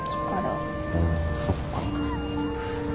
そっか。